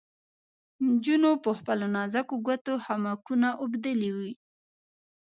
نجونو په خپلو نازکو ګوتو خامکونه اوبدلې وې.